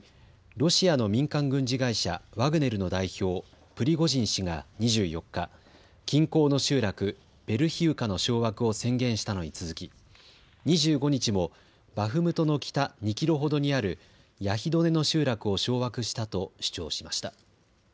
ロシアの民間軍事会社、ワグネルの代表、プリゴジン氏が２４日、近郊の集落、ベルヒウカの掌握を宣言したのに続き２５日もバフムトの北２キロほどにあるヤヒドネの集落を掌握したと主張しました。